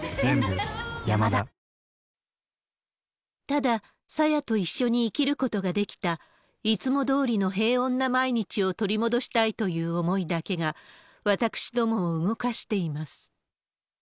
ただ朝芽と一緒に生きることができた、いつもどおりの平穏な毎日を取り戻したいという思いだけが、私どもを動かしています。